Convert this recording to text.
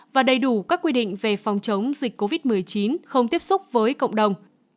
và đầy đủ các quy định về phòng chống dịch covid một mươi chín không tiếp xúc với cộng đồng